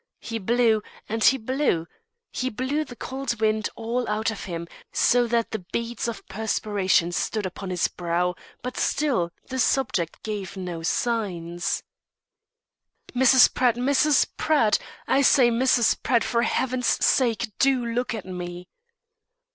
He blew, and he blew. He blew the "cold wind" all out of him, so that the beads of perspiration stood upon his brow, but still the "subject" gave no signs. "Mrs. Pratt! Mrs. Pratt! I say, Mrs. Pratt, for heaven's sake do look at me!"